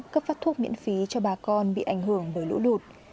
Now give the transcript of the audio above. cấp phát thuốc miễn phí cho bà con bị ảnh hưởng bởi lũ lụt